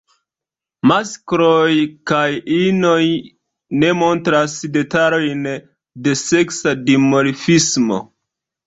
Maskloj kaj inoj ne montras detalojn de seksa dimorfismo.